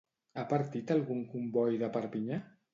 Ha partit algun comboi de Perpinyà?